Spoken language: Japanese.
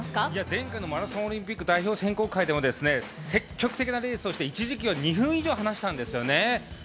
前回のマラソンオリンピック代表選考会でも積極的なレースをして一時期は２分以上、離したんですよね。